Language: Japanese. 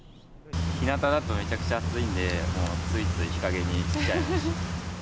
日なただとめちゃくちゃ暑いんで、もうついつい日陰に来ちゃいました。